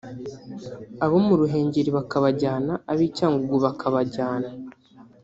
abo mu Ruhengeri bakabajyana ab’i Cyangugu bakabjyana